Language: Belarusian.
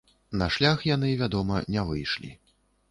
На шлях яны, вядома, не выйшлі.